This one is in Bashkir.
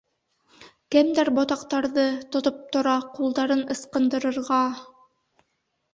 Кемдәр ботаҡтарҙы тотоп тора, ҡулдарын ысҡындырырға-а-а!